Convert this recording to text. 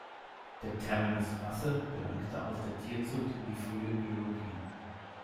Der Terminus „Rasse“ gelangte aus der Tierzucht in die frühe Biologie.